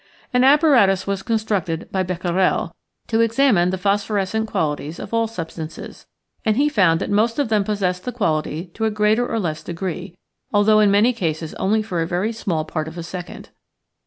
An apparatus was constructed by Bequerel to examine the phosphorescent qualities of all substances, and he found that most of them possess the quality to a greater or less degree, although in many cases only for a very small part of a second.